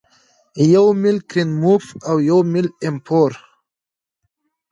یو میل کرینموف او یو میل ایم پور